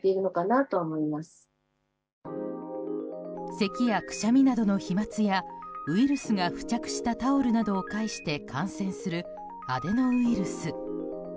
せきやくしゃみなどの飛沫やウイルスが付着したタオルなどを介して感染するアデノウイルス。